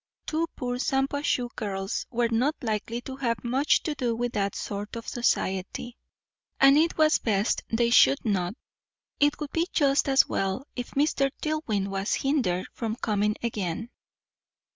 Two poor Shampuashuh girls were not likely to have much to do with that sort of society, and it was best they should not. It would be just as well if Mr. Dillwyn was hindered from coming again.